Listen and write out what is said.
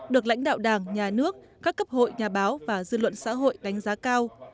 được lãnh đạo đảng nhà nước các cấp hội nhà báo và dư luận xã hội đánh giá cao